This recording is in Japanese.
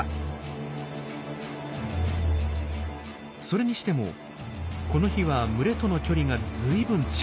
それにしてもこの日は群れとの距離がずいぶん近い。